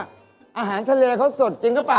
อาหารทะเลเขาสดจริงหรือเปล่า